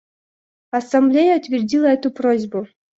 Ассамблея утвердила эту просьбу.